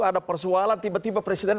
ada persoalan tiba tiba presiden